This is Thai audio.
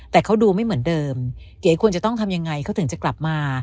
แต่เขาดูไม่เหมือนเดิมเก๋ควรจะต้องทำยังไงเขาถึงจะกลับมา